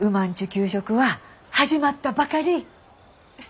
給食は始まったばかり。